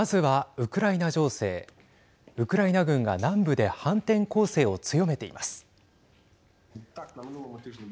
ウクライナ軍が南部で反転攻勢を強めています。